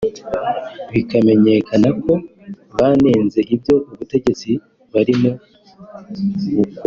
bikamenyekana ko banenze ibyo ubutegetsi barimo bukora